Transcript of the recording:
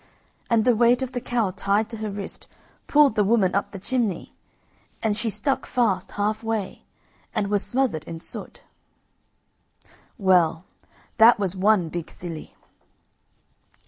And the weight of the cow tied to her wrist pulled the woman up the chimney, and she stuck fast half way and was smothered in the soot. Well, that was one big silly.